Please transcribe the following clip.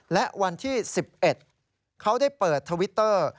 และวันที่๑๑เขาได้เปิดทวิตเตอร์